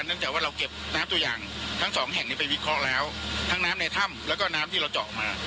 จากว่าเราเก็บน้ำตัวอย่างทั้งสองแห่งนี้ไปวิเคราะห์แล้วทั้งน้ำในถ้ำแล้วก็น้ำที่เราเจาะออกมา